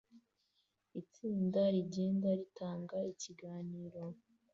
Itsinda rigenda ritanga ikiganiro